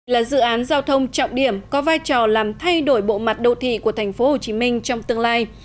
là dự án giao thông trọng điểm có vai trò làm thay đổi bộ mặt đô thị của thành phố hồ chí minh trong tương lai